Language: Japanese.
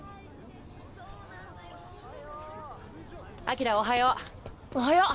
輝おはよう！